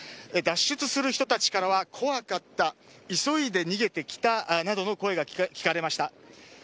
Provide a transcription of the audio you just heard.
脱出する人たちからは怖かった急いで逃げてきたなどの声が聞かれました。